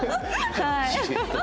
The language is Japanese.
はい。